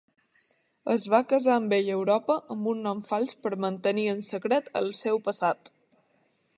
Es va casar amb ell a Europa amb un nom fals per mantenir en secret el seu passat.